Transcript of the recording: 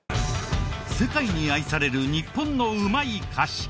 世界に愛される日本のうまい菓子。